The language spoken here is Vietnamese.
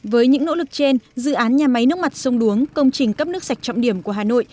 với những nỗ lực trên dự án nhà máy nước mặt sông đuống công trình cấp nước sạch trọng điểm của hà nội